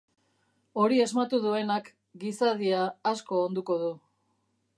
Hori asmatu duenak gizadia asko onduko du.